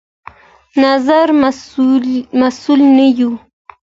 نظر مسوول نه يو